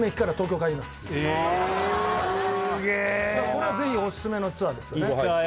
これはぜひおすすめのツアーですよね